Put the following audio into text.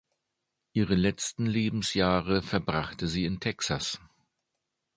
Ihre letzten Lebensjahre verbrachte sie in Texas.